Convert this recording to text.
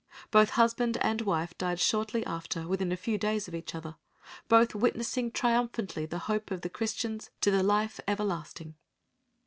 Both husband and wife died shortly after within a few days of each other, both witnessing triumphantly the hope of the Christians to the Life Everlasting.